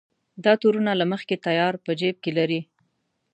دا تورونه له مخکې تیار په جېب کې لري.